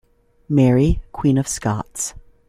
"Mary Queen of Scots".